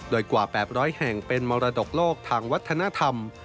โดยกว่า๘๐๐แห่งเป็นมรดกโลกทางวัฒนธรรม